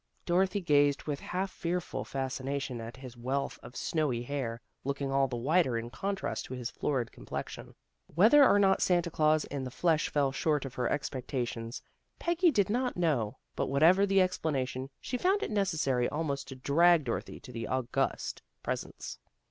Dorothy gazed with half fearful fascination at his wealth of snowy hair, looking all the whiter in contrast to his florid complexion. Whether or not Santa Glaus in the flesh fell short of her expecta tions, Peggy did not know, but whatever the explanation, she found it necessary almost to drag Dorothy to the august presence.